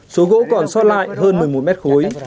số gỗ còn sót lại hơn một mươi một mét khối